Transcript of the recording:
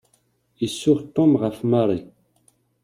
Isuɣ Tom ɣef Mary.